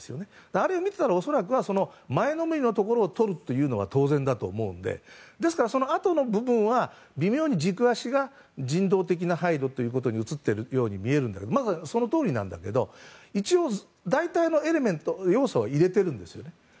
あれを見てたら恐らくは前のめりのところをとるのは当然だと思うのでですから、そのあとの部分は微妙に軸足が人道的な配慮ということに移ってるように見えるんですがそのとおりなんだけど一応、大体の要素は入れてるんですよね。